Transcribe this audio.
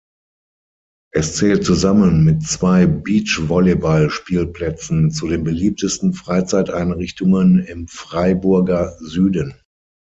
Es zählt zusammen mit zwei Beach-Volleyball-Spielplätzen zu den beliebtesten Freizeiteinrichtungen im Freiburger Süden.